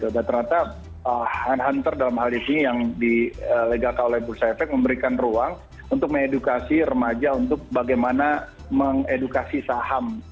dan ternyata hunter dalam hal ini yang di legalkan oleh bursa efek memberikan ruang untuk mengedukasi remaja untuk bagaimana mengedukasi saham